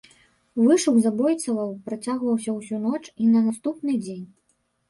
Вышук забойцаў працягваўся ўсю ноч і на наступны дзень.